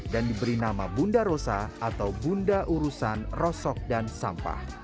dan diberi nama bunda rosa atau bunda urusan rosok dan sampah